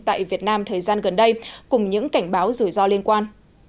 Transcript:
tại việt nam thời gian gần đây cùng những cảnh báo rủi ro liên quan